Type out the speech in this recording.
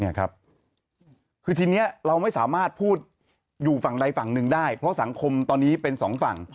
คือทีนี้เราไม่สามารถพูดอยู่ฝั่งใดฝั่งหนึ่งได้เพราะสังคมตอนนี้เป็นสองฝั่ง